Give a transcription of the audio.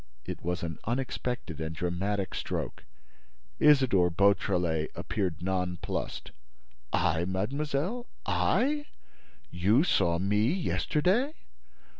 It was an unexpected and dramatic stroke. Isidore Beautrelet appeared nonplussed: "I, mademoiselle? I? You saw me yesterday?"